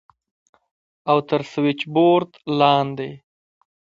او تر سوېچبورډ لاندې.